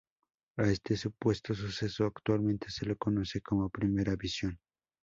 A este supuesto suceso actualmente se le conoce como Primera Visión.